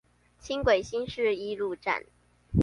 輕軌新市一路站